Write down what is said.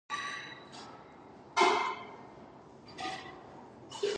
The hospital's research facilities are known as the Royal Hobart Hospital Research Foundation.